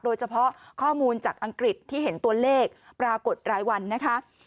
โดยเฉพาะข้อมูลจากอังกฤษที่เห็นตัวเลขปรากฏรายวันนะคะ